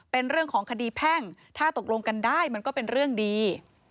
เป็นเรื่องของคดีแพ่งถ้าตกลงกันได้มันก็เป็นเรื่องดี